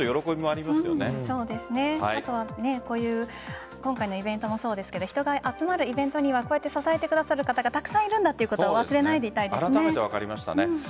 あとはこういう今回のイベントもそうですが人が集まるイベントには支えてくださる方がたくさんいるんだということを忘れないでいたいですね。